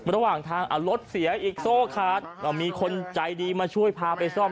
ระหว่างทางเอารถเสียอีกโซ่ขาดก็มีคนใจดีมาช่วยพาไปซ่อม